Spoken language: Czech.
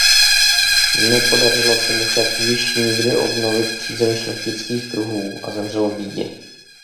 Nepodařilo se mu však již nikdy obnovit přízeň šlechtických kruhů a zemřel v bídě.